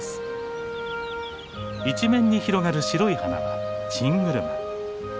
一面に広がる白い花はチングルマ。